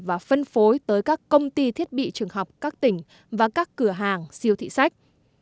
và phân phối tới các công ty thiết bị trường học các tỉnh và các cửa hàng siêu thị sách